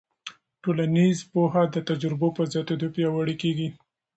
ټولنیز پوهه د تجربو په زیاتېدو پیاوړې کېږي.